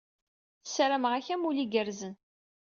Sarameɣ-ak amulli d igerrzen.